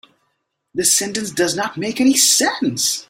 This sentence does not make any sense.